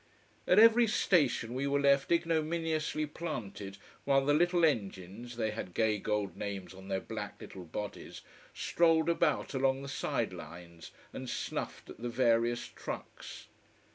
At every station we were left ignominiously planted, while the little engines they had gay gold names on their black little bodies strolled about along the side lines, and snuffed at the various trucks.